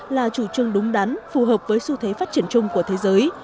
là chủ trương đúng đắn phù hợp với xu thế phát triển chung của thế giới